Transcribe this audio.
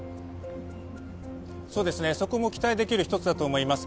そこも期待できる１つだと思います。